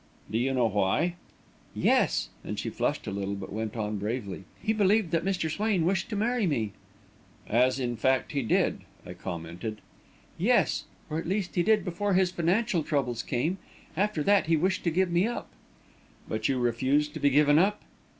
"Do you know why?" "Yes," and she flushed a little, but went on bravely. "He believed that Mr. Swain wished to marry me." "As, in fact, he did," I commented. "Yes; or, at least, he did before his financial troubles came. After that, he wished to give me up." "But you refused to be given up?"